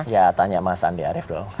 ya tanya mas andi arief dulu